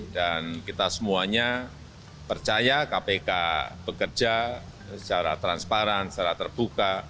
dan kita semuanya percaya kpk bekerja secara transparan secara terbuka